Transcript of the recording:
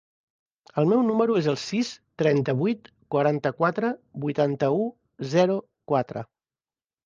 El meu número es el sis, trenta-vuit, quaranta-quatre, vuitanta-u, zero, quatre.